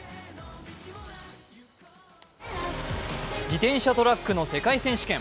自転車トラックの世界選手権。